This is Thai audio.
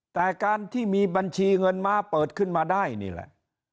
แต่การที่มีบัญชีเงินม้าเปิดขึ้นมาได้นี่แหละ